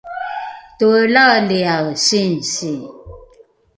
toelaeliae singsi